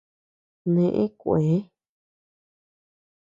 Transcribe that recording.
Neʼe kuëe.